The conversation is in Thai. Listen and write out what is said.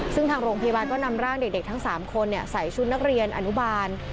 ซึ่งทางโรงพยาบาลก็นำร่างเด็กทั้ง๓คนใส่ชุดนักเรียนอนุบาล